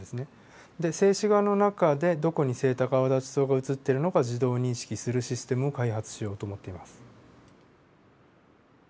で静止画の中でどこにセイタカアワダチソウが映っているのか自動認識するシステムを開発しようと思っています。